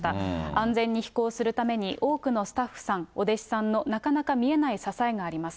安全に飛行するために多くのスタッフさん、お弟子さんのなかなか見えない支えがあります。